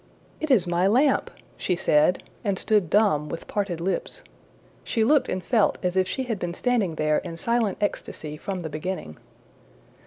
``It is my lamp,'' she said, and stood dumb with parted lips. She looked and felt as if she had been standing there in silent ecstasy from the beginning.